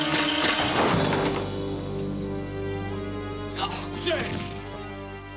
さあこちらへ！